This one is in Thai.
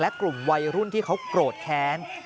และกลุ่มวัยรุ่นที่เขาโกรธแค้น